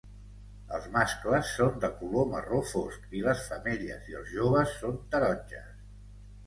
Els mascles són de color marró fosc i les femelles i els joves són taronges.